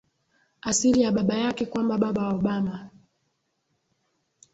asili ya baba yake Kwamba baba wa Obama